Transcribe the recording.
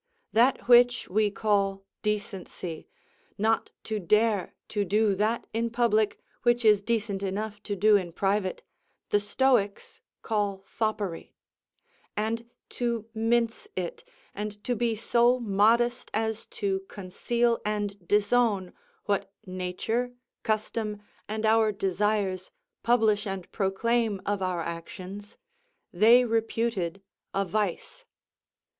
That which we call decency, not to dare to do that in public which is decent enough to do in private, the Stoics call foppery; and to mince it, and to be so modest as to conceal and disown what nature, custom, and our desires publish and proclaim of our actions, they reputed a vice.